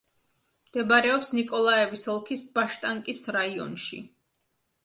მდებარეობს ნიკოლაევის ოლქის ბაშტანკის რაიონში.